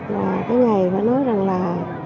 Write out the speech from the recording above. cái ngày mà nói rằng là